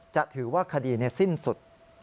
จะถือว่าคดีสิ้นสุด